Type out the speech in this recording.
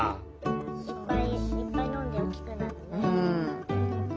いっぱいいっぱい飲んで大きくなるね。